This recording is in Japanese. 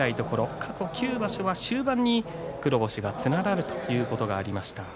過去９場所は終盤に黒星が連なるということがありました。